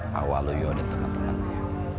pak waluyo dan teman temannya